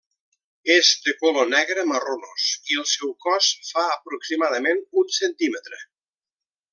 És de color negre marronós i el seu cos fa aproximadament un centímetre.